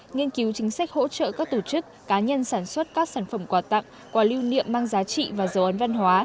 nghiên cứu chính sách hỗ trợ các tổ chức cá nhân sản xuất các sản phẩm quà tặng quà lưu niệm mang giá trị và dấu ấn văn hóa